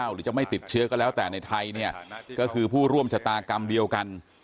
หรือจะไม่ติดเชื้อก็แล้วแต่ในไทยเนี่ยก็คือผู้ร่วมชะตากรรมเดียวกัน